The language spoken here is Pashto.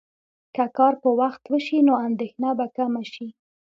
که کار په وخت وشي، نو اندېښنه به کمه شي.